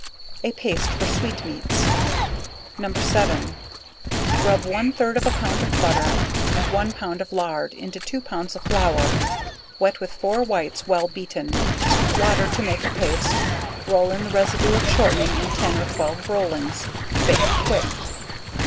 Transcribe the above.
A Paste for Sweet Meats. No. 7. Rub one third of one pound of butter, and one pound of lard into two pound of flour, wet with four whites well beaten; water q: s: to make a paste, roll in the residue of shortning in ten or twelve rollings bake quick.